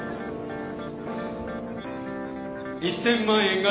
１，０００万円！